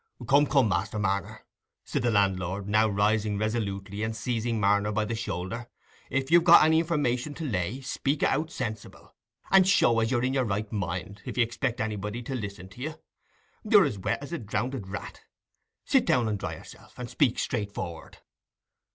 "Come, come, Master Marner," said the landlord, now rising resolutely, and seizing Marner by the shoulder, "if you've got any information to lay, speak it out sensible, and show as you're in your right mind, if you expect anybody to listen to you. You're as wet as a drownded rat. Sit down and dry yourself, and speak straight forrard."